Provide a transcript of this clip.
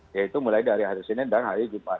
ya itu mulai dari hari senin dan hari jumat